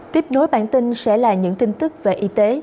tiếp nối bản tin sẽ là những tin tức về y tế